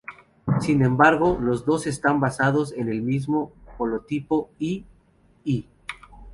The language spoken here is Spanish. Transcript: Sin embargo los dos no están basados en el mismo holotipo, y "I".